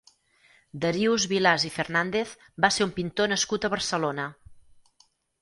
Darius Vilàs i Fernández va ser un pintor nascut a Barcelona.